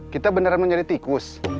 kita benar menjadi tikus